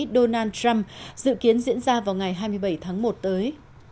donald trump dự kiến diễn ra vào ngày hai mươi bảy tháng một tới